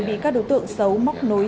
bị các đối tượng xấu móc nối